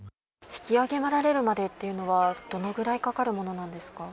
引き揚げられるまでっていうのは、どのぐらいかかるものなんですか。